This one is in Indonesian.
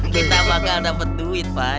kita bakal dapet duit pai